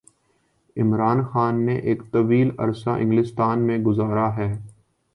عمران خان نے ایک طویل عرصہ انگلستان میں گزارا ہے۔